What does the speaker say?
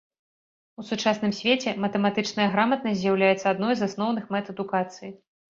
У сучасным свеце матэматычная граматнасць з'яўляецца адной з асноўных мэт адукацыі.